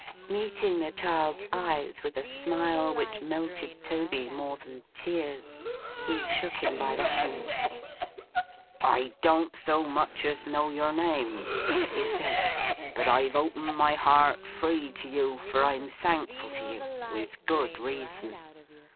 Meeting the child's eyes with a smile which melted Toby more than tears, he shook him by the hand. 'I don't so much as know your name,' he said, 'but I've opened my heart free to you, for I'm thankful to you; with good reason.